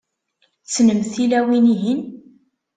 Tessnemt tilawin-ihin?